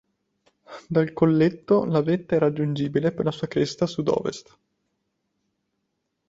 Dal colletto la vetta è raggiungibile per la sua cresta sud-ovest.